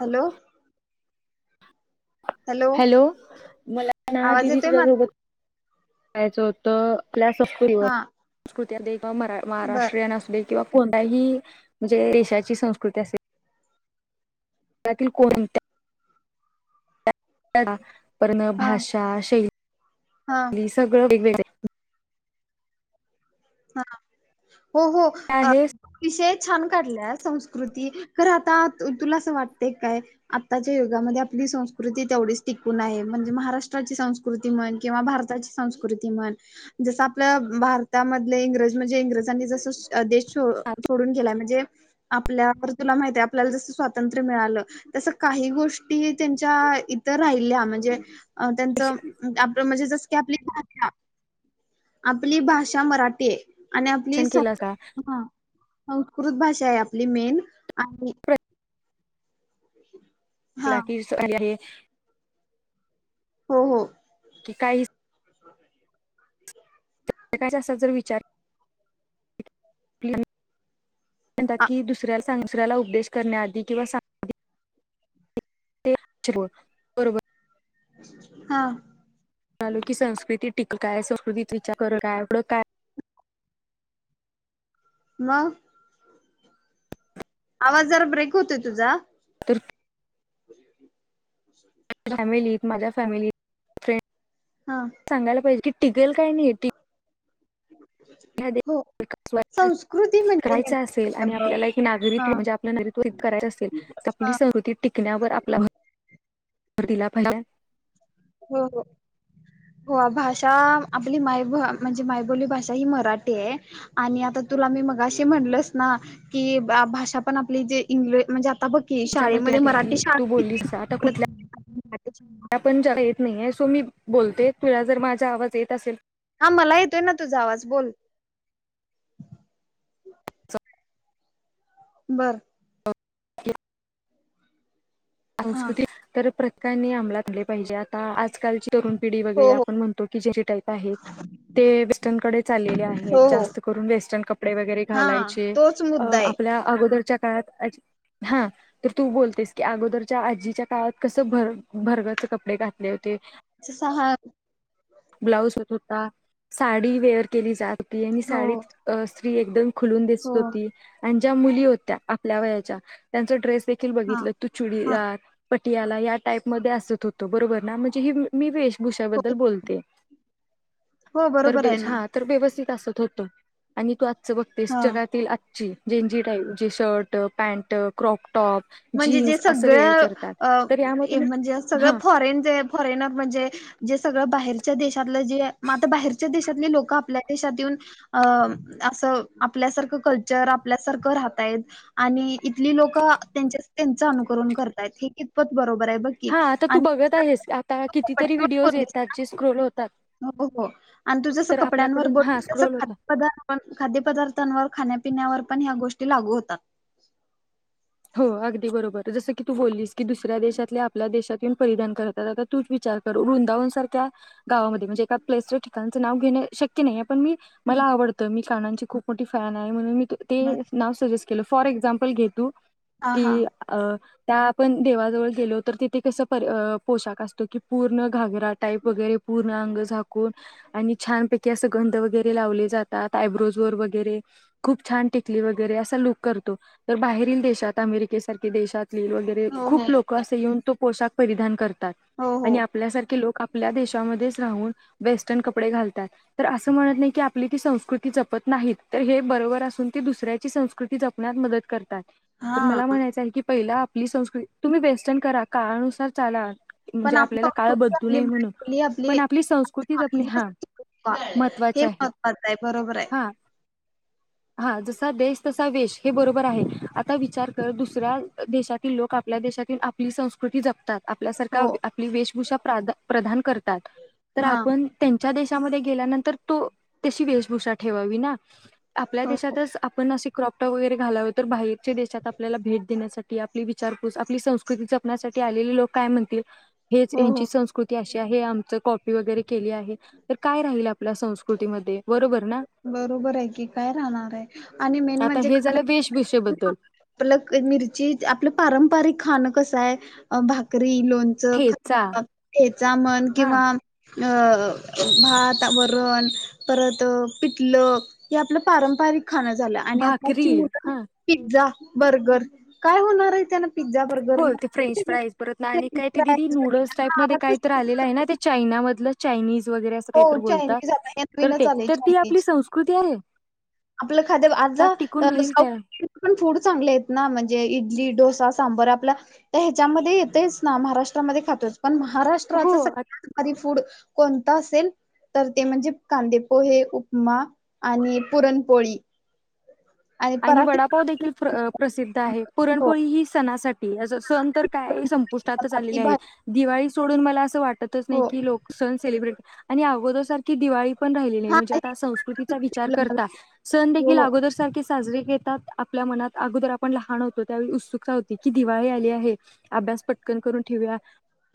Hello hello मला ना आवाज दिदी येतोय तुझ्या माझा सोबत पायचं होत आपल्या संस्कृतीवर हा संस्कृती मरा बर महाराष्ट्रीयन असे किंवा कोणताही म्हणजे देशाची संस्कृती असे कोण पण हा भाषा शैली हा सगळं वेगवेगळे. हा हो हो अ आहे विषय छान काढले संस्कृती खर आता तुला असं वाटतेय काय आताच्या युगामध्ये आपली संस्कृती तेवढीच टिकून आहे म्हणजे महाराष्ट्राची संस्कृ क भ ज आपल्या भ आप इंग्रज म्हणजे इंग्रजांनी जस देश शिक्षण सोडून केलाय म्हणजे आपल्यावर तुला माहिती आहे आपल्याला जसं स्वातंत्र्य मिळालं तस काही गोष्टी त्यांच्या इतर राहिल्या म्हणजे अ त्यांचं आप म्हणजे जस की आपली भाषा आपली भाषा मराठी ते आणि आपली सं केलं का संस्कृत भाषा आहे आपली मेन आणि [unintelligible] लाकी आहे हो हो कि काही जच ण आ- की दुसऱ्या सऱ्याला उपदेश करण्याआी किंवा सांग ते ब हा लो की संस्कृती टिक काय संस्कृतीत विचार कर काय एवडं काय ना आवाज जरा ब्रेक होतोय तुझा तुर्की फॅमिलीत माझ्या फॅमिली फ्रेंड हा सांगाय पाहिजे कीिकेल काय नाही या हो देिक संस्कृती म्हणजे करायचं नेमकी असेल काय आणि ब आपल्याला एक हा नागरिकत्व म्हणजे आपलं नरत्व करायचं असेल आपली हा सहृती टिकण्यावर आपलार दिला पाहिजे हो हो हो भाषा आपली मायभ म्हणजे मायबोली भाषा ही मराठी आहे आणि आता तुला मी मग अे म्हणलस ना कि भाषा पण आपली जे इंग् म्हणजे आता बघ कि त्याच्यामुळे त्या शाळेमध्ये मराठी देखील तू बोललीस आता कुठल्या शाळाितीडत पण ज येत नाहीे सो मी बोलते तुला जर माझा आवाज येत असेल हा मला येतोय ना तुझा आवाज बोल असेल बरं ह हा संस्कृती तर प्रतकाने आमलातले पाहिजे आता आजकालची तरुण पिढी वगैरे हो हो आपण म्हणतो की ज्याची टाईप आहे ते वेस्टर्नकडे चाललेले हो आहेत हो जास्त करून वेस्टर्न कपडे वगैरे हा घालायचे तोच अ मुद्दा आहे. आपल्या अगोदरच्या काळात हा तर तू बोलतेस की अगोदर च्या आजीच्या काळात कस भर भरगचे कपडे घातले होते अच सहा ब्लाऊज होत होता साडी वेअर केली जाते आणि हो साडीत स्त्री एकदम खुलून हो दिसत होती आणि ज्या मुली होत्या आपल्या वयाच्या त्यांचा ड्रेस देखील हा बघित तु हा चुडीदार पटियाला या टाईप म असत होतो बरोबर ना म्हणजे मी वे हो भुषाबद्दल बोलते हो तर बरोबर आहे ना हा तर व्यवस्थित असत होतं आणि तू आजचं बघतेस हा जगातील ज जी टाईप ज शर्ट पँन्ट क्रॉकटॉप म्हणजे जे सगळं तर यामधून म्हणजे सगळं हा फॉरेन जे फॉरेन म्हणजे जे सगळं बाहेरच्या देशातलं जे म आता बाहेरच्या देशातले लोक आपल्या देशात येऊन अ असं आपल्यासारखं कल्चर आपल्यासारखं राहताय आणि इथली लोक त्यां त्यांच अनुकरण करतायत हे कितपत बरोबर आहे बघ की हा आता आणि तू बघत आहेस आता कितीतरी कपड्यांवर व्हिडिओज बोललीस येतात ना जे स्क्रोल होतात हो हो आणि तू जसं तर कपड्यांवर आपल्याकडून बोल हा तस स्क्रोल होता खा्यपदार् पण खाद्यपदार्थांवर खाण्यापिण्यावर पण ह्या गोष्टी लागू होतात हो अगदी बरोबर जसं की तू बोललीस की दुसऱ्या देशातल्या आपल्या देशातून परिधान करतातता तूच विचार करू वृंदावन सारख्या गावामध्ये म्हणज एका्लेसच्या ठिकाणं नाव घेणे शक नाही पण मी मला आवडतं मी कानाची खूप मोठी फॅन आहे म्हणून मी बर तेव से के फॉर एक्झाम्पल घेतू हा हा कि अ त्या आपण देवाजवळ गेलो तर तिथे कस पर पोशाख असत पूर्ण घारा टाईप वगरे पूर्ण अंग झाकून आणि छानपैकी अस गं वगे लावले जातात आयब्रोज वर वगैरे खूप छान टिकली वगैरे असा लोक करतो तर बाहेरील देशात अमेरिकेसारखे देशातली वगैरे हो हो खूप लोकं असे येऊन तो पोशा परिधान करत हो हो आणि आपल्यासारखे लोक आपल्या देशामध्येच राहून वेस्टर्न कपडे घालतात तर असं म्हणत नाही की आपली ती संस्कृती जपत नाहीत तर हे बरोबर असून ती दुसऱ्याची संस्कृती जपण्यात मदत करतात तर हा मला म्हणायचं आहे की पहिला आपली संस्कृती तुम्ही वेस्टर्न करा काळानुसार चाला म्हणजे पण आपली आपल्याला काळ संस्कृती बदलू आपली नये म्हणून मुली पण आपली संस्कृतीच आपण हा ह हे महत्त्वाचे आहे महत्त्वाचं आहे बरोबर आहे हा हा जसा देश तसा वेश हे बरोबर आहे आता विचार तर दुसऱ्या देशातील लोक आपल्या देशातील आपली संस्कृती जपतात हो आपल्यासारख्या आपली वेशभूषा प्रान प्रदान करतात तर हा आपण त्यांच्या देशामध्ये गेल्यानंतर तो त्याशी वेशभूषा ठेवावी ना आपल्या हो हो देशातच आपण असे क्रॉपटॉ वगैरे घालाव तर बाहेरच्या देशात आपल्याला भेट देण्यासाठी आपली विचारपूस आपली संस्कृती जपण्यासाठी आलेले लोक काय म्हणतील हेच हो यांची हो संस्कृती अशी आहे हे आमच कॉपी वगैरे केली आहे तर काय राहील आपल्या संस्कृतीमध्ये बरोबर ना बरोबर आहे की काय राहणार आहे आणि मेन आता म्हणजे हे खाण झालं वेशभूषेबद्दल आपलं मिरची आपलं पारंपरिक खाणं कसं आहे भाकरी लोण ठेचा घ्यायचा मन हा किंवा भात वरण परत पितलक हे आपलं पारंपरिक खाणं झालं आणि भाकरी आताची मु हा पिझ्झा बर्गर काय होणार आहे त्याना पिझ्झा बर्गर हो ते फ्रेंच फ्राईज बत नाही आणि फ्रेंच काय ते दिदी फ्राईज नूडल्स टाईप मध्ये काय तर आलेलं आहे ना चायनामधलं चायनीज वगैरे अस हो कात बोलतात चायनीज आता हे तर नवीनच ते आलय तर ती चायनीज आपली संस्कृती आहे आपलं खादे आज त्यात टिकून राहील सा काय पण फूड चांगले आहेत ना म्हणजे इडली डोसा सांबर आपला तर ह्याच्यामध्ये येतेच ना महाराष्ट्रामध्ये खातोच पण महाराष्ट्र हो फूडण असेल तर ते म्हणजे कांदे पोहे उपमा आणि पुरणपोळी आणि वडापाव देखील प्रसिद्ध आहे हो पुरणपोळी ही सणासाठी सण काय संपुष्टातच चपाती आलेले आहेत भाजी दिवाळी सोडून मला अस वाटतच नाही हो की लोक सण सेलिब्रेट आणि अगोदर सारखी दिवाळी हा म्हणच हो हो साजरीे घेतात आपल्या मनात अगोदर आपण लहान होतो त्यावेळी उत्सुकता होती की दिवाळी आली आहे अभ्यास पटकन करून ठेवया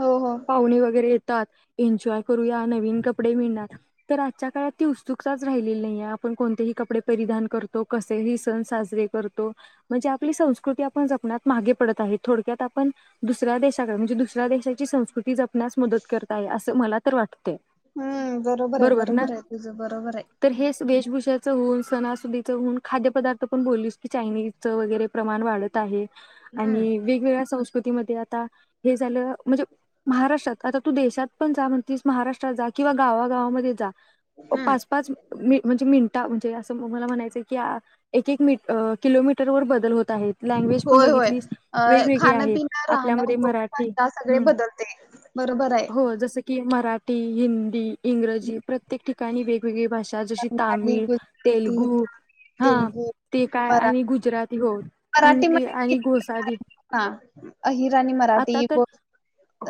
हो हो पाहुणे वगैरे येतात एन्जॉय करूया नवीन कपडे मिळणार तर आजच्या काळात ती उत्सुकताच राहिलेली नाहीे आपण कोणतेही कपडे परिधान करतो कसे ह सण साजरे करतो म्हणजे आपली संस्कृती आपण जपण्यात मागे पडत आहेत थोडक्यात आपण दुसऱ्या देशाकडे म्हणजे दुसऱ्या देशाची संस्कृती जपण्यास मदत करत आहे असं मला तर वाटते. हम्म बरोबर आहे बरोबर आहे तुझं बरोबर आहे. तर हे वेशभूषेचं होऊन सणासुदीचं होऊन खाद्यपदार्थ पण बोलस की चायनीजच वगैरे प्रमाण वाढत आहे हम्म आणि वेगवेगळ्या संस्कृतीमध्ये आता हे झालं म्हणजे महाराष्ट्रात आता तू देशात पण जा म्हणतीस महाराष्ट्रात जा किंवा गावागावामध्ये जा हम्म पाच पाच म्हणजे मिनटा म्हणजे असं मला म्हणायचं क एक एक मी किलोमीटर वर बदल होत आहेत. लँग्वेज पण होय होय बघितलीस अ वेगवेगळी आहे खाणपिनं राहणं आपल्यामध्ये गो मराठी फा सगळे हम्म बदलते. बरोबर आहे. कि मराठी हिंदी इंग्रजी प्रत्येक ठिकाणी वेगवेगळी भाषा ज बंगाली, तामिळ गुजराती, तेलगू हा तेलगू, ते काय मरा आणि गुजराती हो आणि ते आणि गोसाली. हा अहिरा आणि मराठी ब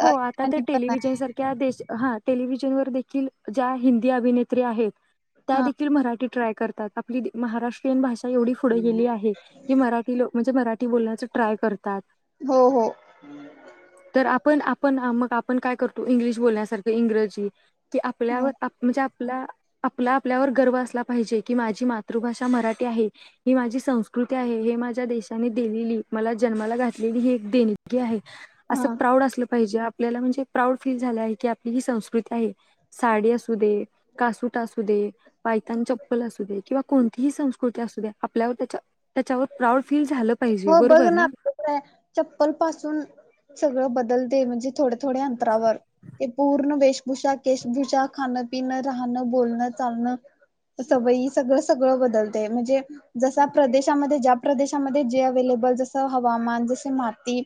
हो आता तर टेलिव्हिजन दे हा टेलिव्हिजन वर देखील ज्या हिंदी अभिनेत्री आहेत. त्या हा देखील मराठी ट्राय करतात आपली महाराष्ट्रीयन भाषा एवढी पुढे गेली आहे की मठीो म्हणजे मराठी बण्याच ट्राय करतात. हम्. तर आपण आपण मग आपण काय करतो इंग्लिश बोलण्यासारखं इंग्रजी कि हा आपल्यावर म्हणजे आपला आपला आपल्यावर गर्व असला पाहिजे की माझी मात मातृभाषा मराठी आहे ही माझी संस्कृती आहे हे माझ्या देशाने दिलेली मला जन्माला घातलेली ही एक देणगी आहे असं हा. प्राऊड असलं पाहिजे आपल्याला म्हणजे प्राऊड फील झाला आहे की आपली ही संस्कृती आहे. साडी असू दे कासुट असू दे पायतान चप्पल असू दे. किंवा कोणतीही संस्कृती असू द्या आपल्यावर त्या त्याच्यावर प्राऊड फील झालं पाहिजे हो बघ बरोबर ना. चप्पल पासून सगळं बदल दे म्हणजे थोडे थोडे अंतरावर ते पूर्ण वेश भूषा केश भूषा खाणं पिनं राहणं बोलणं चालणं. सवयी सगळ सगळं बदलते म्हणजे जस प्रदेशामध्ये ज्या प्रदेशामध्ये जे अवेलेबल जस हवामान जसे माती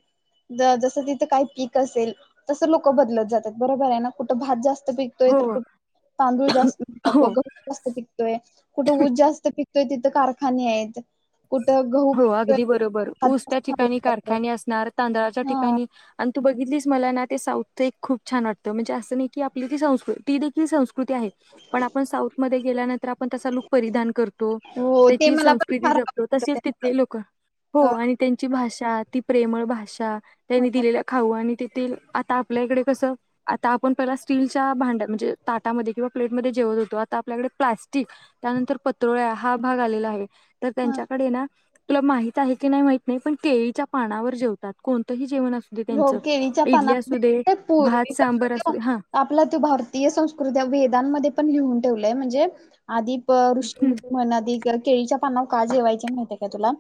ज जसं तिथे काही पीक असेल तसं लोक बदलत जातात बरोबर आहे ना कुठं भात जास्त पीक तोय हो तर कुठ तांदूळ जास्त हो जास्त पिकतोय कुठं ऊज जास्त पिकतोय तिथं कारखाने आहेत कुठं गहू गदी बरोबर ऊस त्या हाताचं खाल्लं ठिकाणी जातं. कारखाने असणार तांदळाच्या हा, ठिकाणी तू बघितलीस मला ना ते साऊथं एक खूप छान वाटतं म्हणजे असं नाही की आपली ती संस्कृ ती देखील संस्कृती आहे. पण आपण साऊथ मध्ये गेल्यानंतर आपण तसा लूक परिधान करतो हो ते तेथील मला पण संस्कृती फार जपतो. आवडतं तसेच त्यांचं. तिथली लोक हो आणि त्यांची भाषा ती प्रेमळ भाषा त्यांनी हो. दिलेल्या खाऊ आणि तेथील आता आपल्या इकडे कसं? आता आपण पहिला स्टीलच्या भांड्यात म्हणजे ताटामध्ये किंवा प्लेटमध्ये जेवत होतो आता आपल्याकडे प्लास्टिक त्यानंतर पत्रोळ्या हा भाग आलेला आहे. तर हा. त्यांच्याकडे ना तुला माहित आहे की नाही माहित नाही पण केळीच्या पानावर जेवतात कोणतंही जेवण असू. हो त्यांच केळीच्या इडली असू दे, पानामध्ये भात सांबर पूर्वीपासून असू हा. आपला तो भारतीय संस्कृती वेदांमध्ये पण लिहून ठेवलंय म्हणजे आधी प ऋषी हम्म, मुनी म्हण केळीच्या पानावर का जेवायचे माहिती आहे काय तुला?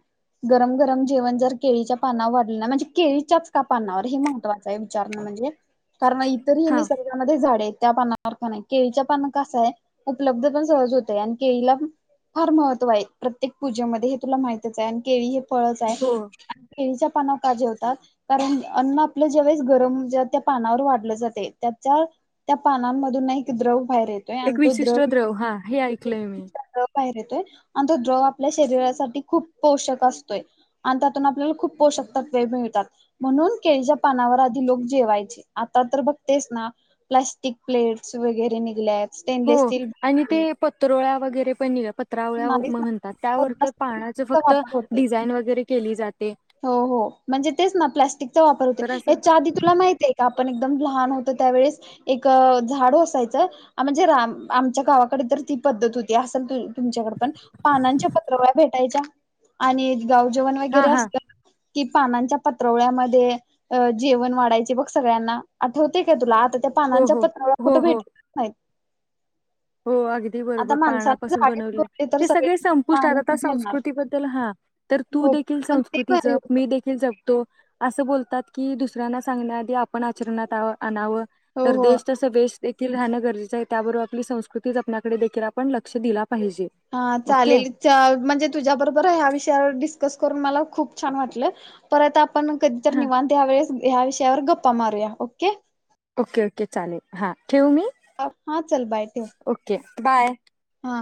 गरम गरम जेवण जर केळीच्या पानावर वाढलं ना म्हणजे केळीच्याच का पानांवर हे महत्त्वाचं आहे विचारणं म्हणजे कारण इतर मी हा नि सर्गा मध्ये झाडे आहे त्या पानावर का नाही केळीच्या पान कसं आहे. उपलब्ध पण सहज होतय आणि केळीला पण फार महत्त्व आहे प्रत्येक पूजेमध्ये हे तुला माहितच आहे आणि केळी हे. फळच आहे हो आणि केळीच्या पानावर का जेवतात? कारण अन्न आपलं ज्यावेेळेस गरम त्या पानावर वाढलं जाते त्याचा त्या पानांमधून एक द्रव बाहेर येत एक विशिष्ट द्रव हा हे ऐकलंय मी द्रव बाहेर येतोय आणि तो द्रव आपल्या शरीरासाठी खूप पोषक असतोय आणि त्यातून आपल्याला खूप पोषक तत्वे मिळतात म्हणून केळीच्या पानावर आधी लोक जेवायचे आता तर बघतेस ना प्लास्टिक प्लेट्स वगैरे निघल्यात हो स्टेनलेस स्टील आणि ते पत्रोळ्या वगैरे पण पत्रवळ्या म्हणतात त्यावर तर पानांचं फक्त वापर होतोय डिझाईन वगैरे केली जाते. हो हो म्हणजे तेच ना प्लास्टिकचा वापर तर होतोय असं आधी तुला माहितय का आपण एकदम लहान होतो त्यावेळेस एक झाडू असायचं म्हणजे रा आमच्या गावाकडे तर ती पद्धत होती असल त तुमच्याकडंपण पानांच्या पत्रावळ्या भेटायच्या आणि गाव जेवण हा वगैरे हा असत कि पानांच्या पत्रवळ्यामध्ये ते जेवण वाढायचे बग सगळ्यांना आठवतंय का तुला आ त्या हो पानांच्या हो पत्रावळ्या हो कुठे हो भेटतच नाहीत. हो अगदी आता बरोबर माणसाने पानापासून झाडे बनवलेलं तोडले तर ते सगळे संपुष्ट पान आहेत आता कुठे येणार संस्कृतीबद्दल हा तर तू हो देखील पण ते संस्कृती भारी जप होत मी देखील जपतो अस बोलतात की दुसऱ्यांना सांगण्याआधी आपण आचरणात आणाव हो तर हो देश तस वेश देखील राहणं गरजेचं आहे त्याबरोबर आपली संस् कृतीच आपल्याकडे देखील आपण लक्ष दिला पाहिजे. हा ओके चालेल त्या म्हणजे तुझ्याबरोबर ह्या विषयावर डिस्कस करून मला खूप छान वाटलं परत आ आपण कधीतर हा निवांत ह्या वेळेस ह्या विषयावर गप्पा मारूया ओके ओके ओके चालेल हा ठेवू मी हा चल बाय ठेव ओके बाय हा